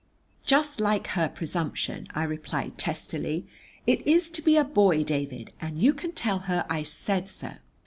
"Just like her presumption," I replied testily. "It is to be a boy, David, and you can tell her I said so."